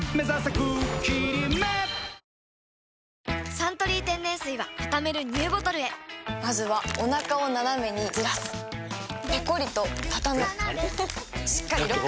「サントリー天然水」はたためるＮＥＷボトルへまずはおなかをナナメにずらすペコリ！とたたむしっかりロック！